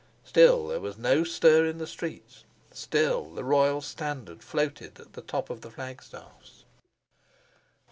Still there was no stir in the streets, still the royal standard floated at the top of the flag staffs.